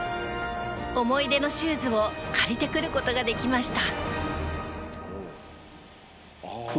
思い出のシューズを借りてくることができました。